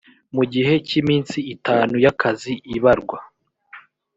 mu gihe cy iminsi itanu y akazi ibarwa